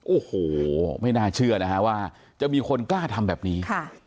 โอ้โหไม่น่าเชื่อนะฮะว่าจะมีคนกล้าทำแบบนี้